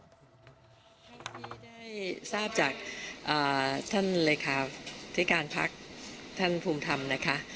ได้ทราบจากท่านเลยครับที่การภักดิ์ท่านภูมิธรรมนะคะ